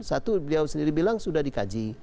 satu beliau sendiri bilang sudah dikaji